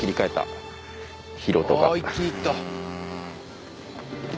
「ひろとが」